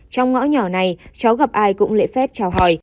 trong ngõ nhỏ này cháu gặp ai cũng lệ phép chào hỏi